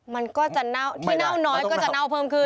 มันก็จะเน่าที่เน่าน้อยก็จะเน่าเพิ่มขึ้น